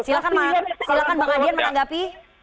silakan bang adian menanggapi